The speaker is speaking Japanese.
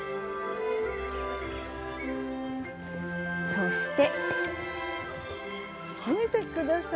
そして。